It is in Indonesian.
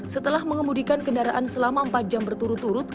setelah mengemudikan kendaraan selama empat jam berturut turut